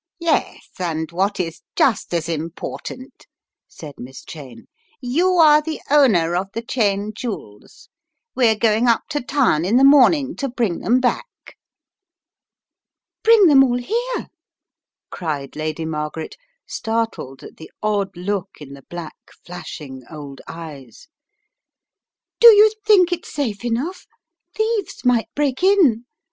"Yes, and what is just as important," said Miss Cheyne, "you are the owner of the Cheyne jewels. We're going up to town in the morning to bring them back." "Bring them all here?" cried Lady Margaret, startled at the odd look in the black, flashing old eyes. "Do you think it safe enough? Thieves might break in.